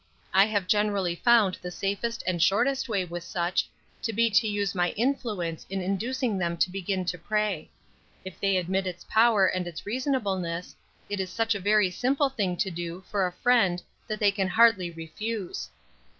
I have generally found the safest and shortest way with such to be to use my influence in inducing them to begin to pray. If they admit its power and its reasonableness, it is such a very simple thing to do for a friend that they can hardly refuse."